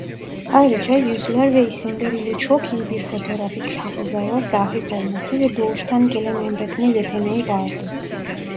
Ayrıca yüzler ve isimler ile çok iyi bir fotoğrafik hafızaya sahip olması ve doğuştan gelen emretme yeteneği vardı…